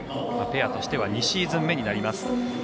ペアとしては２シーズン目になります。